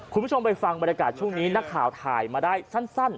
คุณผู้ชมไปฟังบรรยากาศช่วงนี้นักข่าวถ่ายมาได้สั้น